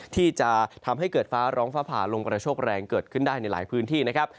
ที่จะทำให้เกิดฟ้าร้องฟ้าผ่าลมกระโชคแรงเกิดขึ้นได้ในหลายพื้นที่นะครับ